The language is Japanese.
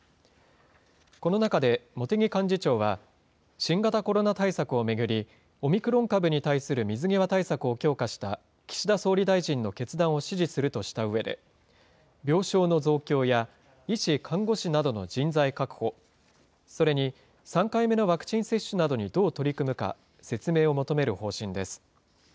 この中で茂木幹事長は、新型コロナ対策を巡り、オミクロン株に対する水際対策を強化した、岸田総理大臣の決断を支持するとしたうえで、病床の増強や、医師・看護師などの人材確保、それに３回目のワクチン接種などにどう取り組むか説明を求める方針です。